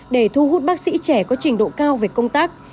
để thu hút bác sĩ trẻ có trình độ cao về công tác